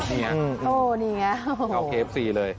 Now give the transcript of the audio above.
โธ่นี่น่ะเอ้าเอ้าวันเคฟสี่เลย